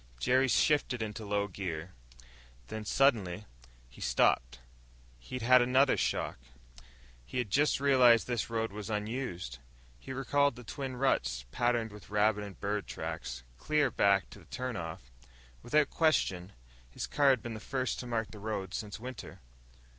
Jerry shifted into low gear. Then, suddenly, he stopped. He'd had another shock. He had just realized this road was unused. He recalled the twin ruts, patterned with rabbit and bird tracks, clear back to the turn off. Without question, his car had been the first to mark the road since winter.